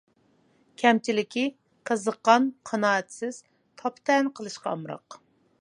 كەمچىلىكى: قىزىققان، قانائەتسىز، تاپا-تەنە قىلىشقا ئامراق.